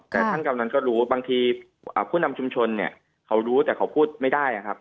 แต่ท่านกำนันก็รู้บางทีผู้นำชุมชนเนี่ยเขารู้แต่เขาพูดไม่ได้ครับ